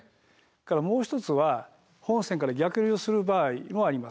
もう一つは本川から逆流する場合もあります。